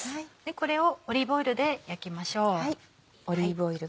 これをオリーブオイルで焼きましょう。